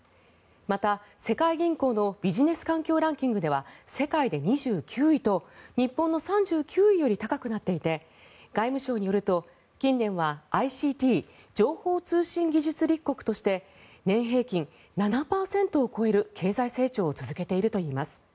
また、世界銀行のビジネス環境ランキングでは世界で２９位と日本の３９位より高くなっていて外務省によると、近年はＩＣＴ・情報通信技術立国として年平均７％を超える経済成長を続けているといいます。